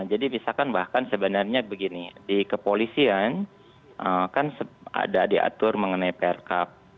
jadi misalkan bahkan sebenarnya begini di kepolisian kan ada diatur mengenai prk